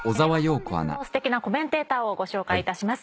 では本日のすてきなコメンテーターをご紹介いたします。